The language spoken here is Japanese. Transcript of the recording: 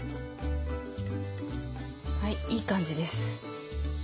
はいいい感じです。